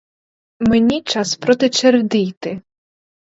Мені час проти череди йти!